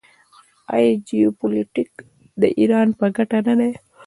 آیا جیوپولیټیک د ایران په ګټه نه دی؟